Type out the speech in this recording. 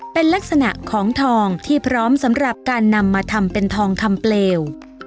เป็นลักษณะของทองที่พร้อมสำหรับการนำมาทำเป็นทองคำเปลว